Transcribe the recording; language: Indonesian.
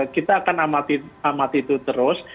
kita akan amati itu terus